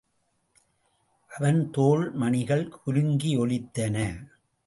அவன் தோள் மணிகள் குலுங்கியொலித்தன.